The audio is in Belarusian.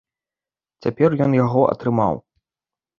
Цяпер ён яго атрымаў.